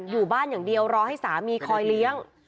อยู่บ้านอย่างเดียวรอให้สามีคอยเลี้ยง